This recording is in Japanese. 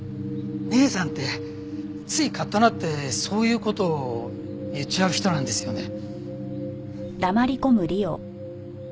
姉さんってついカッとなってそういう事を言っちゃう人なんですよね。